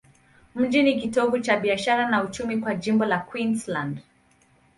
Mji ni kitovu cha biashara na uchumi kwa jimbo la Queensland.